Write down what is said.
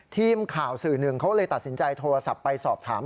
ทีมข่าวสื่อหนึ่งเขาเลยตัดสินใจโทรศัพท์ไปสอบถาม